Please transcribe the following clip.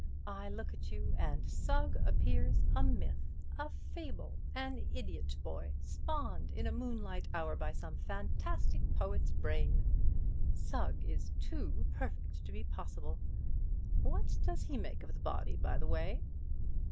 I look at you, and Sugg appears a myth, a fable, an idiot boy, spawned in a moonlight hour by some fantastic poet's brain. Sugg is too perfect to be possible. What does he make of the body, by the way?"